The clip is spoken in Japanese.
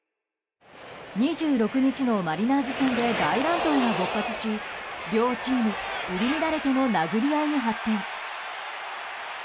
２６日のマリナーズ戦で大乱闘が勃発し両チーム入り乱れての殴り合いに発展。